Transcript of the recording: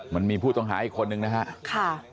มันมีผู้ต้องหาอีกคนนึงนะครับ